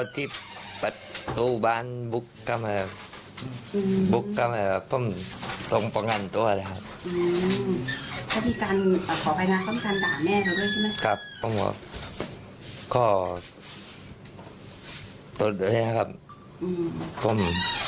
จริงเนี้ยค่ะผม